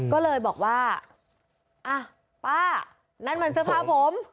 ก็เลยบอกว่าอ่ะป้านั่นมันเสื้อผ้าผม